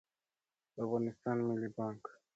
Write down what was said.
د افغانستان ملي بانګ